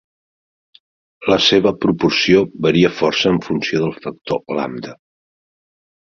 La seva proporció varia força en funció del factor lambda.